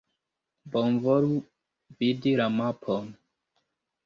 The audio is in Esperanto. Bonvolu vidi la mapon.